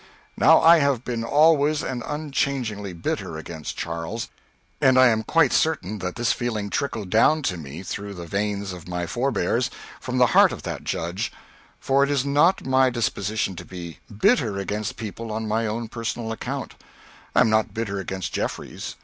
Now I have been always and unchangingly bitter against Charles, and I am quite certain that this feeling trickled down to me through the veins of my forebears from the heart of that judge; for it is not my disposition to be bitter against people on my own personal account I am not bitter against Jeffreys.